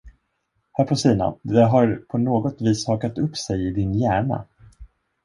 Hör på Stina, det har på något vis hakat upp sig i din hjärna.